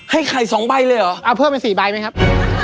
ไข่๒ใบเลยเหรอเอาเพิ่มเป็น๔ใบไหมครับ